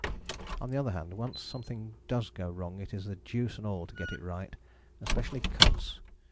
On the other hand, once something does go wrong it is the deuce and all to get it right: especially cuts.